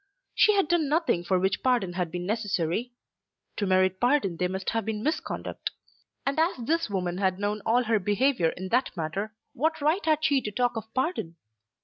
She had done nothing for which pardon had been necessary. To merit pardon there must have been misconduct; and as this woman had known all her behaviour in that matter, what right had she to talk of pardon?